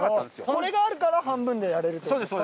これがあるから半分でやれるってことですか？